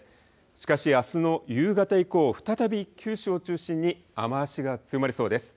しかし、あすの夕方以降、再び九州を中心に雨足が強まりそうです。